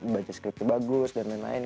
baca skripto bagus dan lain lain